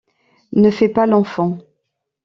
Ne fais pas l’enfant.